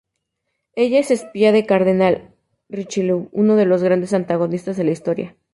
Ella es espía del Cardenal Richelieu, uno de los grandes antagonistas de la historia.